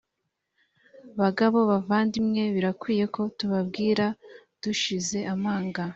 bagabo bavandimwe birakwiriye ko tubabwira dushize amanga